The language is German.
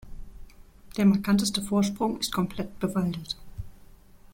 Der markanteste Vorsprung ist komplett bewaldet.